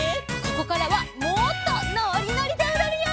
ここからはもっとのりのりでおどるよ！